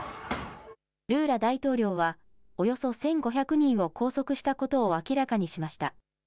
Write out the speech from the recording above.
ルーラ大統領はおよそ１５００人を拘束したことを明らかにしました。